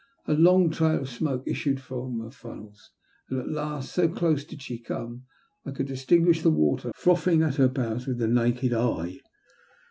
A long trail of smoke issued from her funnels ; and at last, so close did she come, I eould distinguish the 108 THE LUST OF HATEL water frothing at her bows with the naked eye.